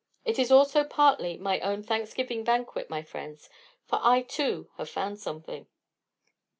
It is also partly my own thanksgiving banquet, my friends; for I, too, have found something."